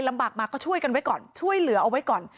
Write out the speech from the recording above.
ลำบากมาก็ช่วยกันไว้ก่อนช่วยเหลือเอาไว้ก่อน